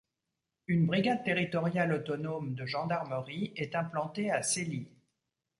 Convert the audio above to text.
Une brigade territoriale autonome de Gendarmerie est implantée à Cély.